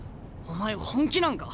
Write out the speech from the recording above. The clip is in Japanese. お前本気なんか？